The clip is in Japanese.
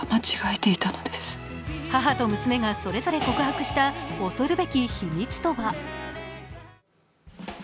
母と娘がそれぞれ告白した恐るべき秘密とは。